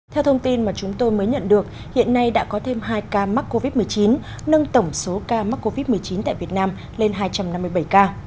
theo thông tin mà chúng tôi mới nhận được hiện nay đã có thêm hai ca mắc covid một mươi chín nâng tổng số ca mắc covid một mươi chín tại việt nam lên hai trăm năm mươi bảy ca